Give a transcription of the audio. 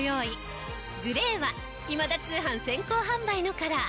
グレーは『今田通販』先行販売のカラー。